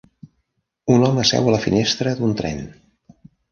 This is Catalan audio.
Un home seu a la finestra d'un tren.